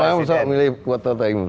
emang saya usah milih kuota pengimus